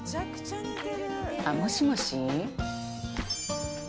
もしもし。